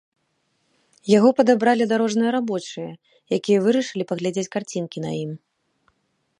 Яго падабралі дарожныя рабочыя, якія вырашылі паглядзець карцінкі на ім.